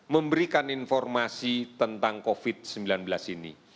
memberikan informasi tentang covid sembilan belas ini